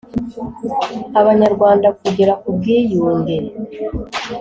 abanyarwanda kugera ku bwiyunge.